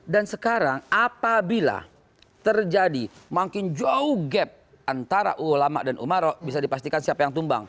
dan sekarang apabila terjadi makin jauh gap antara ulama dan umara bisa dipastikan siapa yang tumbang